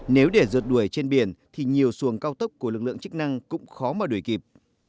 nếu để rượt đuổi trên biển thì nhiều xuồng cao tốc của lực lượng chức năng cũng khó mà đuổi kịp